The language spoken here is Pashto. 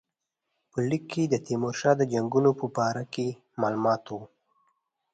په لیک کې د تیمورشاه د جنګونو په باره کې معلومات وو.